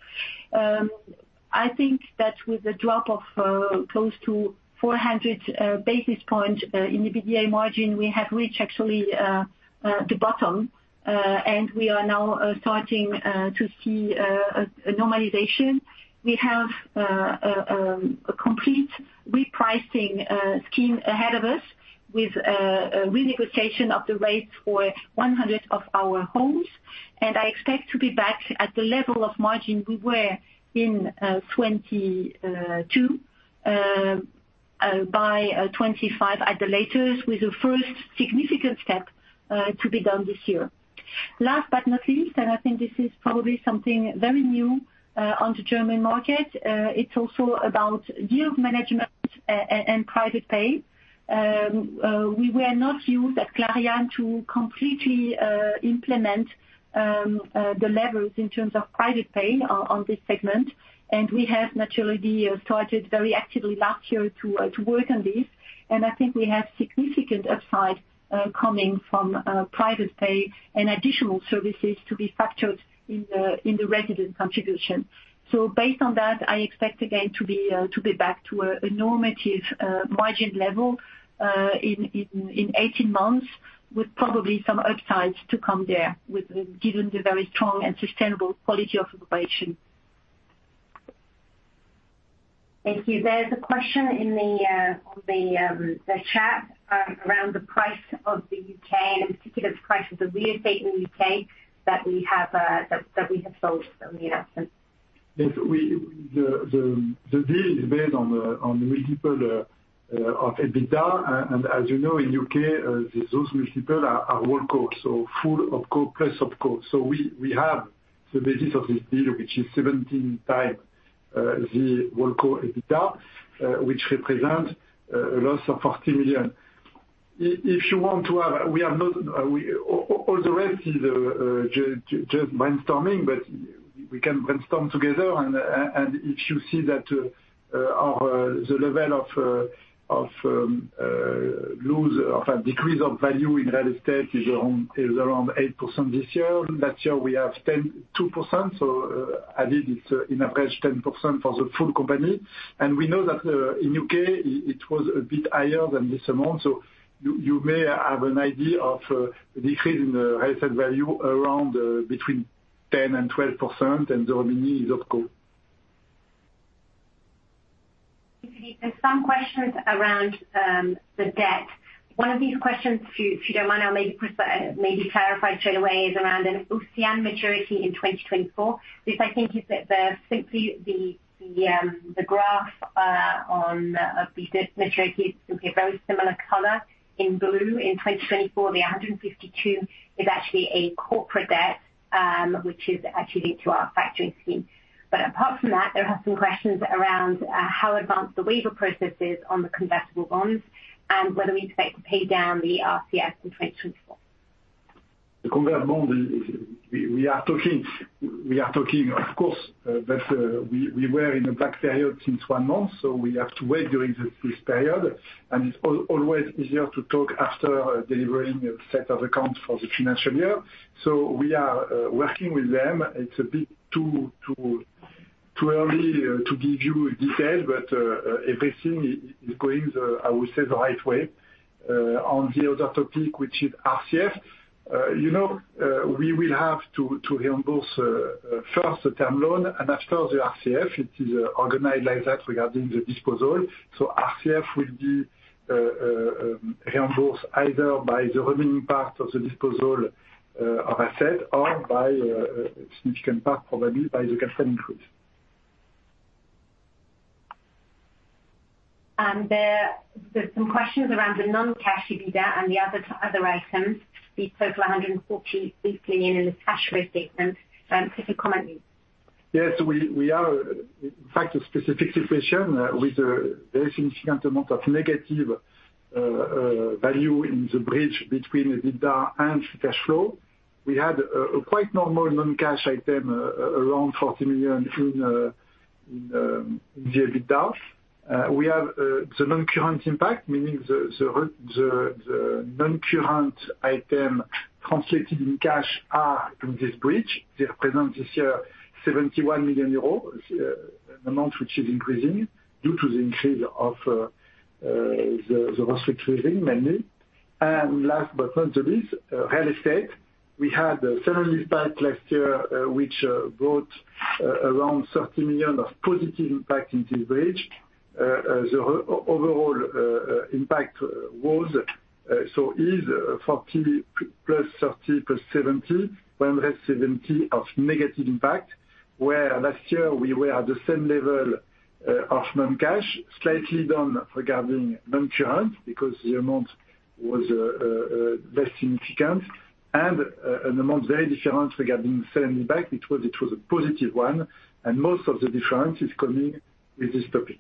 I think that with a drop of close to 400 basis points in EBITDA margin, we have reached, actually, the bottom, and we are now starting to see a normalization. We have a complete repricing scheme ahead of us with renegotiation of the rates for 100 of our homes, and I expect to be back at the level of margin we were in 2022 by 2025 at the latest with the first significant step to be done this year. Last but not least, and I think this is probably something very new on the German market, it's also about deal of management and private pay. We were not used at Clariane to completely implement the levels in terms of private pay on this segment, and we have, naturally, started very actively last year to work on this, and I think we have significant upside coming from private pay and additional services to be factored in the resident contribution. So, based on that, I expect, again, to be back to a normative margin level in 18 months with probably some upsides to come there given the very strong and sustainable quality of operation. Thank you. There's a question in the chat around the price of the UK and, in particular, the price of the real estate in the UK that we have sold in the absence. Yes. The deal is based on the multiple of EBITDA, and as you know, in the UK, those multiples are whole cost, so full of cost plus of cost. So, we have the basis of this deal, which is 17x the whole cost EBITDA, which represents a loss of 40 million. If you want to have we have not all the rest is just brainstorming, but we can brainstorm together, and if you see that the level of loss or decrease of value in real estate is around 8% this year. Last year, we have 2%, so at least it's on average 10% for the full company, and we know that in the UK, it was a bit higher than this amount. So, you may have an idea of a decrease in the real estate value around between 10%-12%, and the remaining is of cost. Sophie, there's some questions around the debt. One of these questions, if you don't mind, I'll maybe clarify straight away, is around an OCN maturity in 2024.This, I think, is simply the graph of the maturity is simply a very similar color in blue. In 2024, the 152 is actually a corporate debt, which is attributed to our factoring scheme. But apart from that, there are some questions around how advanced the waiver process is on the convertible bonds and whether we expect to pay down the RCF in 2024. The convertible bond, we are talking of course, but we were in a blackout period since one month, so we have to wait during this period, and it's always easier to talk after delivering a set of accounts for the financial year. So, we are working with them. It's a bit too early to give you details, but everything is going, I would say, the right way. On the other topic, which is RCF, we will have to reimburse first the term loan, and after the RCF, it is organized like that regarding the disposal. So, RCF will be reimbursed either by the remaining part of the disposal of assets or by a significant part, probably, by the capital increase. And there's some questions around the non-cash EBITDA and the other items, the total 140 million in the cash flow statement. Could you comment, please? Yes. We are, in fact, a specific situation with a very significant amount of negative value in the bridge between EBITDA and cash flow. We had a quite normal non-cash item around 40 million in the EBITDA. We have the non-current impact, meaning the non-current item translated in cash are in this bridge. They represent this year 71 million euros, an amount which is increasing due to the increase of the restructuring mainly. And last but not the least, real estate. We had a sudden spike last year, which brought around 30 million of positive impact in this bridge. The overall impact was so is 40 + 30 + 70, 170 million of negative impact, where last year, we were at the same level of non-cash, slightly down regarding non-current because the amount was less significant and an amount very different regarding sudden spike. It was a positive one, and most of the difference is coming with this topic.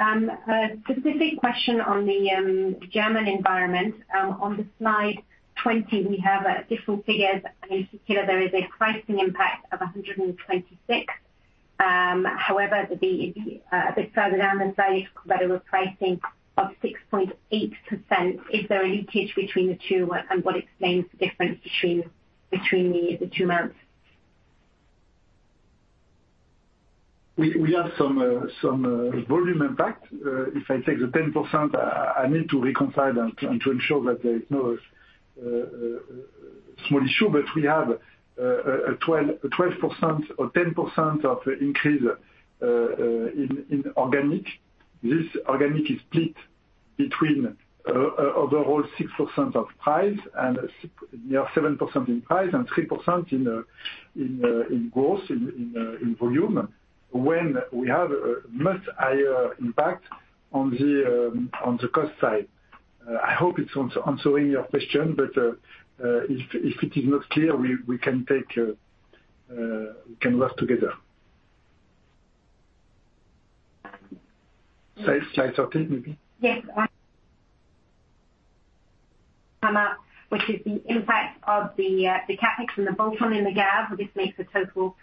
A specific question on the German environment. On slide 20, we have different figures. In particular, there is a pricing impact of 126 million. However, a bit further down the slide, you talk about a repricing of 6.8%.Is there a leakage between the two, and what explains the difference between the two amounts? We have some volume impact. If I take the 10%, I need to reconcile and to ensure that there is no small issue, but we have a 12% or 10% of increase in organic. This organic is split between overall 6% of price and near 7% in price and 3% in growth, in volume, when we have a much higher impact on the cost side. I hope it's answering your question, but if it is not clear, we can work together. Slide 13, maybe? Yes. Come up, which is the impact of the CapEx and the bottom in the GAV. This makes a total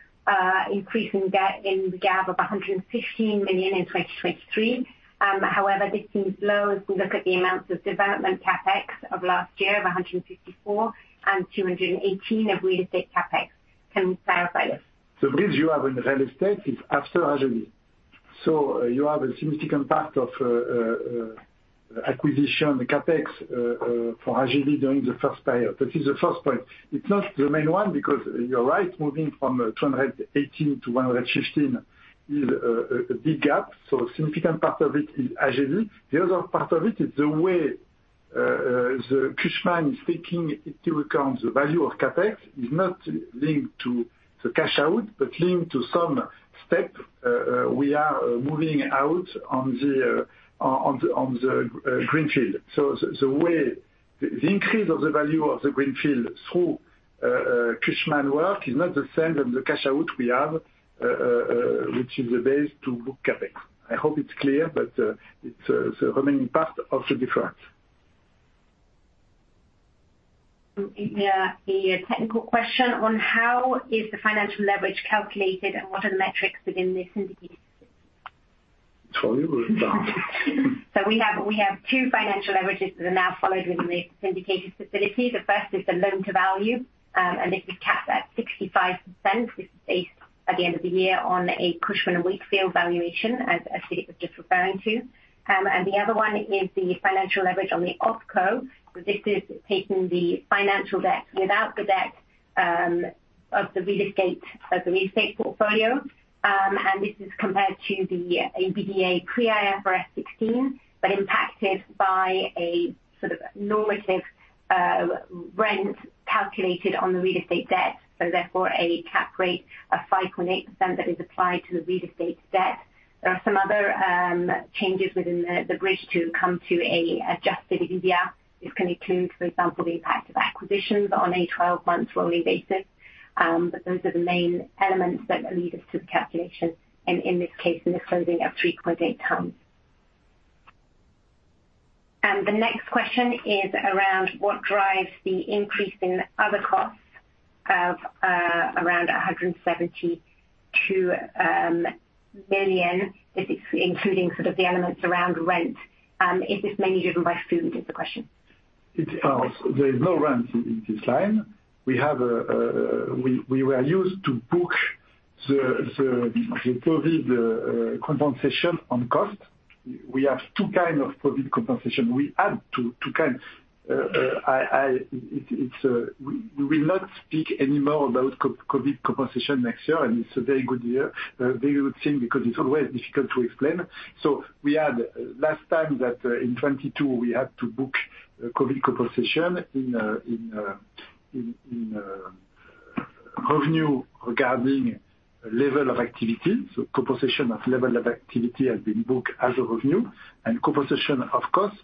increase in the GAV of 115 million in 2023. However, this seems low as we look at the amounts of development CapEx of last year, of 154 million and 218 million of real estate CapEx. Can you clarify this? The bridge you have in real estate is after Agili. So, you have a significant part of acquisition, the CapEx, for Agili during the first period. This is the first point. It's not the main one because you're right. Moving from 218 million to 115 million is a big gap, so a significant part of it is Agili. The other part of it is the way the Cushman is taking into account the value of CapEx is not linked to the cash out but linked to some step we are moving out on the greenfield. So, the way the increase of the value of the greenfield through Cushman work is not the same than the cash out we have, which is the base to book CapEx. I hope it's clear, but it's the remaining part of the difference. Yeah. A technical question on how is the financial leverage calculated, and what are the metrics within this indicator facility? It's for you or it's not? So, we have two financial leverages that are now followed within this indicator facility. The first is the loan-to-value, and this is capped at 65%. This is based at the end of the year on a Cushman & Wakefield valuation, as Philippe was just referring to. And the other one is the financial leverage on the OpCo. So, this is taking the financial debt without the debt of the real estate of the real estate portfolio, and this is compared to the EBITDA pre-IFRS 16 but impacted by a sort of normative rent calculated on the real estate debt. Therefore, a cap rate of 5.8% that is applied to the real estate debt. There are some other changes within the bridge to come to an adjusted EBITDA. This can include, for example, the impact of acquisitions on a 12-month rolling basis, but those are the main elements that lead us to the calculation in this case, in the closing of 3.8x. And the next question is around what drives the increase in other costs of around 172 million. This is including sort of the elements around rent. Is this mainly driven by food, is the question. It's else There is no rent in this line. We were used to book the COVID compensation on cost. We have two kinds of COVID compensation. We add two kinds. We will not speak anymore about COVID compensation next year, and it's a very good year, a very good thing because it's always difficult to explain. So, we add last time that in 2022, we had to book COVID compensation in revenue regarding level of activity. So, compensation of level of activity has been booked as a revenue, and compensation of costs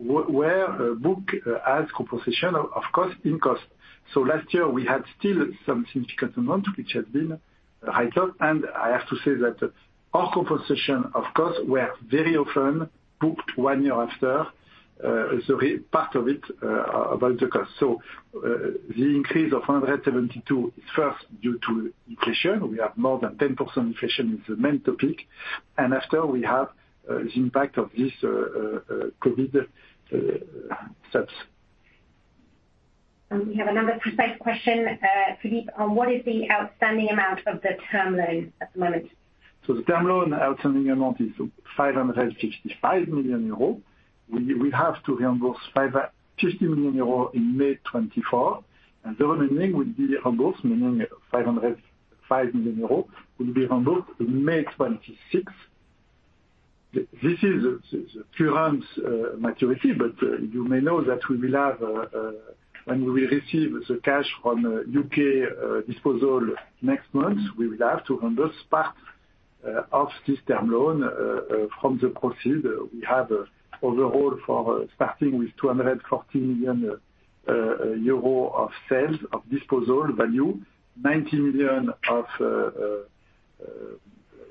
were booked as compensation of costs in cost. So, last year, we had still some significant amount which has been right up, and I have to say that our compensation of costs were very often booked one year after, part of it about the cost. So, the increase of 172 is first due to inflation. We have more than 10% inflation, which is the main topic, and after, we have the impact of this COVID steps. We have another precise question, Philippe, on what is the outstanding amount of the term loan at the moment? So, the term loan outstanding amount is 555 million euros. We have to reimburse 550 million euros in May 2024, and the remaining would be reimbursed, meaning 505 million euros would be reimbursed in May 2026. This is the current maturity, but you may know that we will have when we will receive the cash from UK disposal next month, we will have to reimburse part of this term loan from the proceeds. We have overall for starting with 240 million euro of sales of disposal value, 90 million of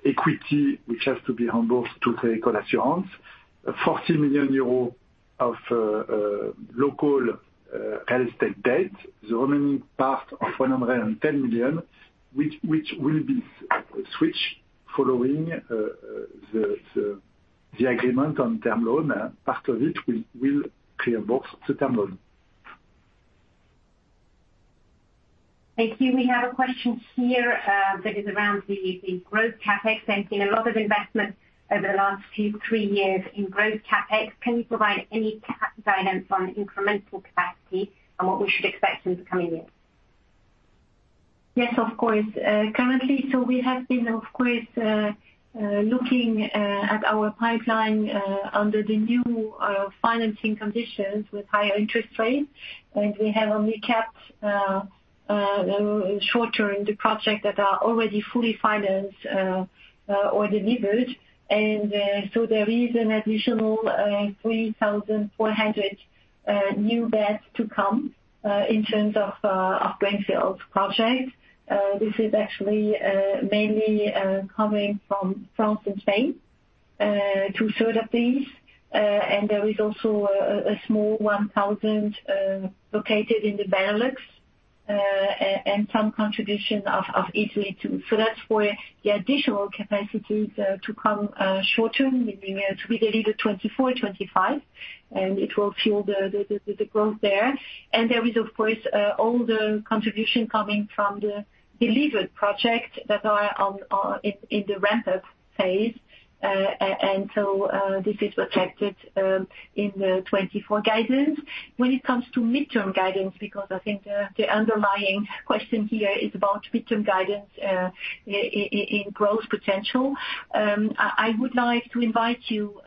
equity which has to be reimbursed to the co-assurance, 40 million euros of local real estate debt, the remaining part of 110 million, which will be switched. Following the agreement on term loan, part of it will reimburse the term loan. Thank you. We have a question here that is around the growth CapEx and seeing a lot of investment over the last 2, 3 years in growth CapEx. Can you provide any guidance on incremental capacity and what we should expect in the coming years? Yes, of course. Currently, so we have been, of course, looking at our pipeline under the new financing conditions with higher interest rates, and we have only kept short-term the project that are already fully financed or delivered. So, there is an additional 3,400 new beds to come in terms of greenfield projects. This is actually mainly coming from France and Spain to serve up these, and there is also a small 1,000 located in the Benelux and some contribution of Italy too. So, that's where the additional capacities to come short-term, meaning to be delivered 2024, 2025, and it will fuel the growth there. There is, of course, all the contribution coming from the delivered projects that are in the ramp-up phase, and so this is reflected in the 2024 guidance. When it comes to midterm guidance, because I think the underlying question here is about midterm guidance in growth potential, I would like to invite you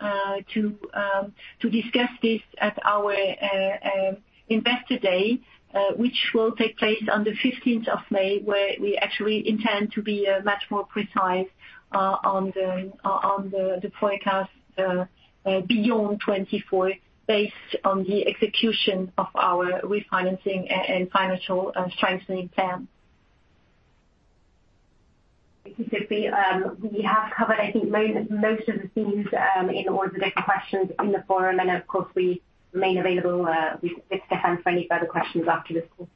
to discuss this at our investor day, which will take place on the 15th of May, where we actually intend to be much more precise on the forecast beyond 2024 based on the execution of our refinancing and financial strengthening plan. Thank you, Philippe. We have covered, I think, most of the themes in all of the different questions in the forum, and of course, we remain available with Stéphane for any further questions after this call.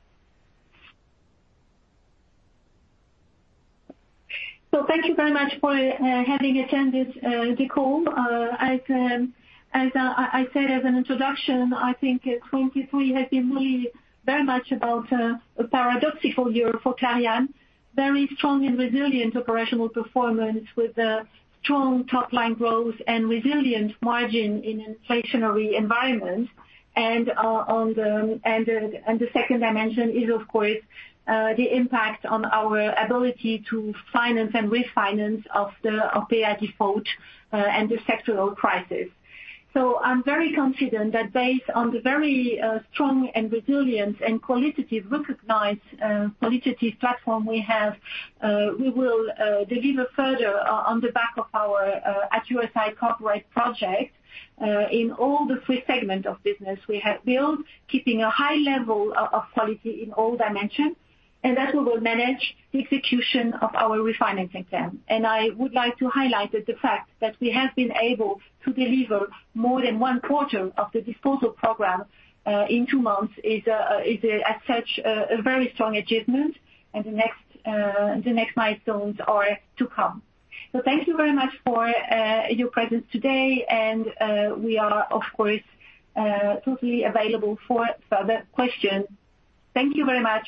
Well, thank you very much for having attended the call. As I said as an introduction, I think 2023 has been really very much about a paradoxical year for Clariane, very strong and resilient operational performance with strong top-line growth and resilient margin in an inflationary environment. And the second dimension is, of course, the impact on our ability to finance and refinance of pay-as-you-go and the sectoral crisis. So, I'm very confident that based on the very strong and resilient and qualitative recognized qualitative platform we have, we will deliver further on the back of our At Your Side corporate project in all the three segments of business we have built, keeping a high level of quality in all dimensions, and that we will manage the execution of our refinancing plan. And I would like to highlight that the fact that we have been able to deliver more than one quarter of the disposal program in two months is, as such, a very strong achievement, and the next milestones are to come. So, thank you very much for your presence today, and we are, of course, totally available for further questions. Thank you very much.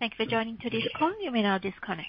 Bye-bye. Thanks for joining today's call. You may now disconnect.